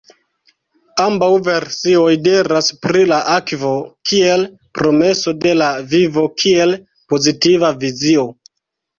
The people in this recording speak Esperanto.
Ambaŭ versioj diras pri la akvo kiel „promeso de la vivo“ kiel pozitiva vizio.